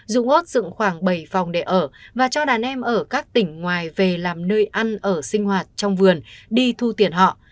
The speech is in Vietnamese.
dung ốt dựng khoảng bảy phòng để ở và cho đàn em ở các tỉnh ngoài về làm nơi ăn ở sinh hoạt trong vườn đi thu tiền họ